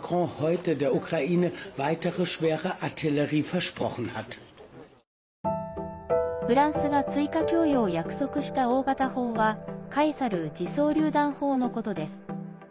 フランスが追加供与を約束した大型砲は「カエサル自走りゅう弾砲」のことです。